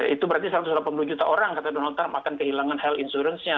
itu berarti satu ratus delapan puluh juta orang kata donald trump akan kehilangan health insurance nya